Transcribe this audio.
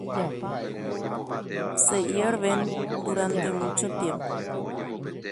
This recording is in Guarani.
Umíva oñembopupu are porã